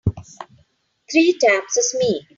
Three taps is me.